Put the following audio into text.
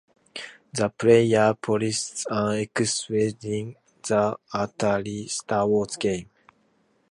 The player pilots an X-wing in the Atari "Star Wars" game.